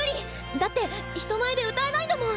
だって人前で歌えないんだもん。